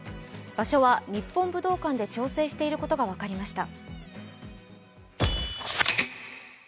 場所は日本武道館で調整していることが分かりました。